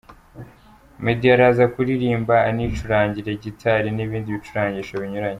Meddy araza kuririmba anicurangira gitari n'ibindi bicurangisho binyuranye.